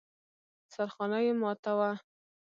سرخانه يې ماته وه.